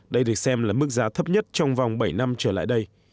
đây được xem là mức giá thấp nhất trong vòng bảy năm trở lại đây